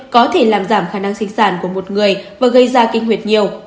có thể làm giảm khả năng sinh sản của một người và gây ra kinh nguyệt nhiều